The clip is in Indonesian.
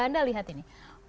anda lihat ini